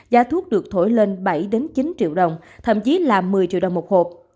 giá thuốc được thổi lên bảy chín triệu đồng thậm chí là một mươi triệu đồng một hộp